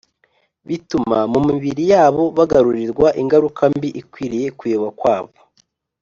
bituma mu mibiri yabo bagarurirwa ingaruka mbi ikwiriye kuyoba kwabo.